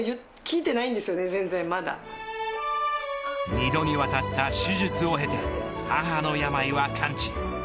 ２度にわたった手術を経て母の病は完治。